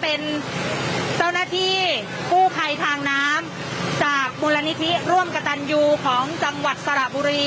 เป็นเจ้าหน้าที่กู้ภัยทางน้ำจากมูลนิธิร่วมกระตันยูของจังหวัดสระบุรี